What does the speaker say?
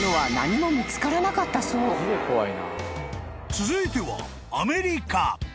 ［続いては］